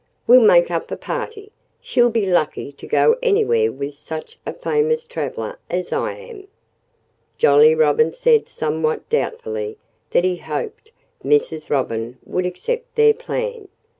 We'll make up a party.... She'll be lucky to go anywhere with such a famous traveller as I am." Jolly Robin said somewhat doubtfully that he hoped Mrs. Robin would accept their plan.